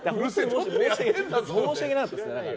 申し訳なかったですね。